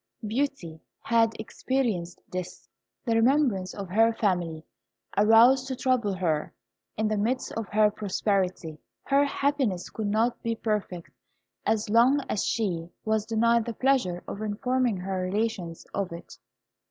Beauty had experienced this. The remembrance of her family arose to trouble her in the midst of her prosperity. Her happiness could not be perfect as long as she was denied the pleasure of informing her relations of it.